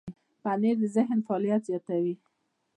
پنېر د ذهن فعالیت زیاتوي.